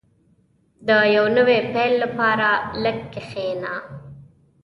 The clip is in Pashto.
• د یو نوي پیل لپاره لږ کښېنه.